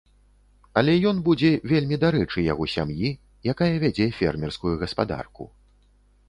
Але ён будзе вельмі дарэчы яго сям'і, якая вядзе фермерскую гаспадарку.